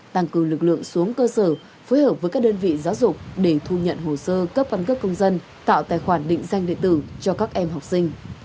tăng cường lực lượng xuống cơ sở phối hợp với các đơn vị giáo dục để thu nhận hồ sơ cấp căn cấp công dân tạo tài khoản định danh điện tử cho các em học sinh